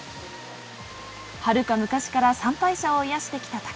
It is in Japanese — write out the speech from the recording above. はるか昔から参拝者を癒やしてきた滝。